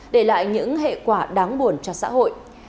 để lại những hệ quả đáng buồn cho xã hội